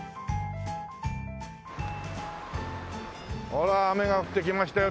ほら雨が降ってきましたよ。